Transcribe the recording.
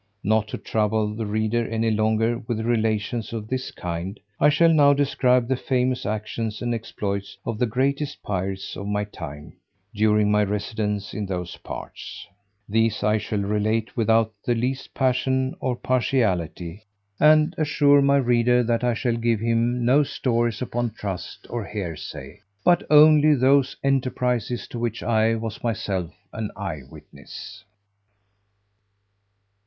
Not to trouble the reader any longer with relations of this kind, I shall now describe the famous actions and exploits of the greatest pirates of my time, during my residence in those parts: these I shall relate without the least passion or partiality, and assure my reader that I shall give him no stories upon trust, or hearsay, but only those enterprises to which I was myself an eye witness.